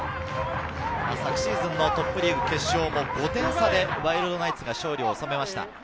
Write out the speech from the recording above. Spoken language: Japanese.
昨シーズンのトップリーグ決勝は５点差でワイルドナイツが勝利を収めました。